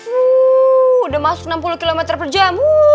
sudah masuk enam puluh km per jam